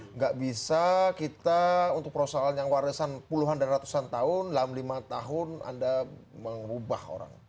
nggak bisa kita untuk perusahaan yang warisan puluhan dan ratusan tahun dalam lima tahun anda mengubah orang